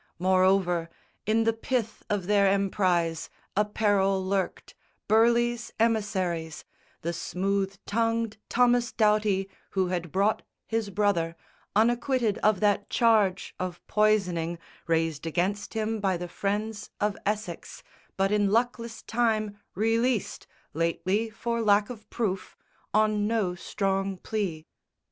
Moreover, in the pith of their emprise A peril lurked Burleigh's emissaries, The smooth tongued Thomas Doughty, who had brought His brother unacquitted of that charge Of poisoning, raised against him by the friends Of Essex, but in luckless time released Lately for lack of proof, on no strong plea.